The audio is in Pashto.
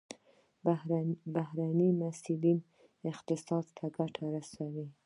بهرني محصلین اقتصاد ته ګټه رسوي.